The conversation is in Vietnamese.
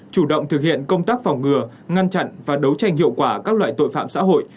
chủ động thực hiện công tác phòng ngừa ngăn chặn và đấu tranh hiệu quả các loại tội phạm xã hội